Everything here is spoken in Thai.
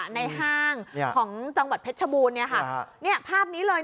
ห้างของจังหวัดเพชรชบูรณเนี่ยค่ะเนี่ยภาพนี้เลย